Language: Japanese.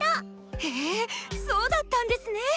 へぇそうだったんですね。